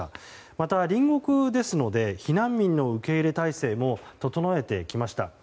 また、隣国ですので避難民の受け入れ態勢も整えてきました。